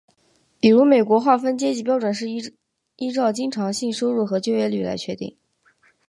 比如美国划分阶级标准是依照经常性收入和就业率来确定。